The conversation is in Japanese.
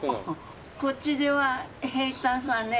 こっちでは平たんさね。